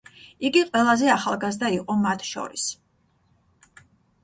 იგი ყველაზე ახალგაზრდა იყო მათ შორის.